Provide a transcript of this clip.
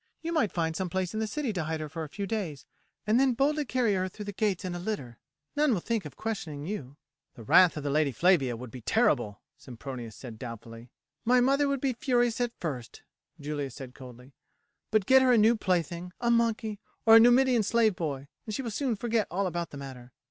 You might find some place in the city to hide her for a few days, and then boldly carry her through the gates in a litter. None will think of questioning you." "The wrath of Lady Flavia would be terrible," Sempronius said doubtfully. "My mother would be furious at first," Julia said coldly; "but get her a new plaything, a monkey or a Numidian slave boy, and she will soon forget all about the matter."